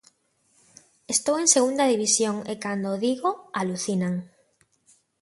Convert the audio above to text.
Estou en segunda división e cando o digo, alucinan.